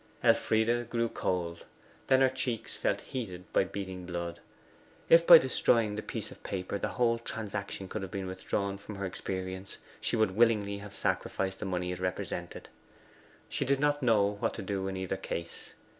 Elfride grew cold then her cheeks felt heated by beating blood. If by destroying the piece of paper the whole transaction could have been withdrawn from her experience, she would willingly have sacrificed the money it represented. She did not know what to do in either case.